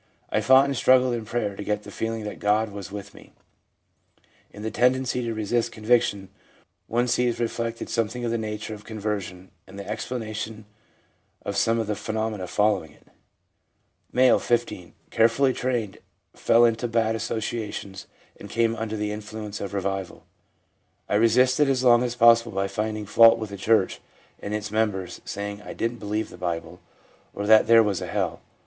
I fought and struggled in prayer to get the feeling that God was with me/ In the tendency to resist conviction, one sees re flected something of the nature of conversion, and the explanation of some of the phenomena following it. M., 15. (Carefully trained, fell into bad associations, and came under the influence of revival.) ' I resisted as long as possible by finding fault with the church and its members, saying I didn't believe the Bible, or that there was a hell.